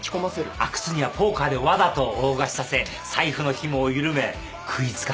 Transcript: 阿久津にはポーカーでわざと大勝ちさせ財布のひもを緩め食い付かせる。